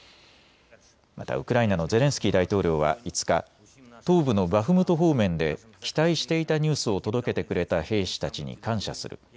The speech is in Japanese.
またウクライナのゼレンスキー大統領は５日、東部のバフムト方面で期待していたニュースを届けてくれた兵士たちに感謝する。